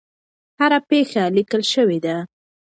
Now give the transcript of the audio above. هره پېښه لیکل شوې ده.